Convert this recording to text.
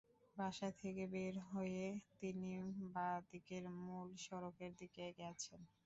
বাসা থেকে বের হয়ে তিনি বাঁ দিকের মূল সড়কের দিকে গেছেন।